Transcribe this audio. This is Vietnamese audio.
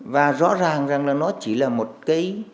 và rõ ràng là nó chỉ là một cái